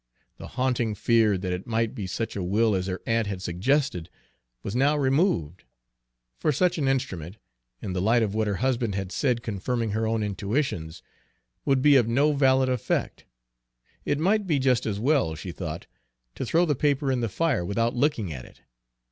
The haunting fear that it might be such a will as her aunt had suggested was now removed; for such an instrument, in the light of what her husband had said confirming her own intuitions, would be of no valid effect. It might be just as well, she thought, to throw the paper in the fire without looking at it.